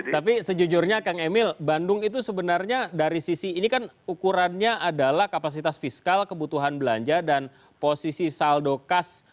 tapi sejujurnya kang emil bandung itu sebenarnya dari sisi ini kan ukurannya adalah kapasitas fiskal kebutuhan belanja dan posisi saldo khas